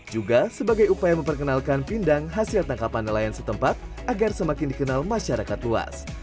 juga sebagai upaya memperkenalkan pindang hasil tangkapan nelayan setempat agar semakin dikenal masyarakat luas